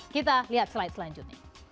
kita lihat slide selanjutnya